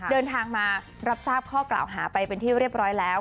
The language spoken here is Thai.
เดินทางมารับทราบข้อกล่าวหาไปเป็นที่เรียบร้อยแล้ว